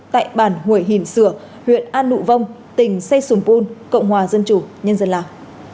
tại bản hủy sửa huyện an nụ vong tỉnh say sùng pun cộng hòa dân chủ nhân dân lào